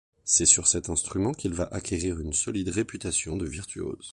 C’est sur cet instrument qu’il va acquérir une solide réputation de virtuose.